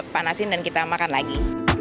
panasin dan kita makan lagi